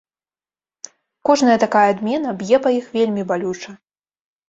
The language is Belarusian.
Кожная такая адмена б'е па іх вельмі балюча.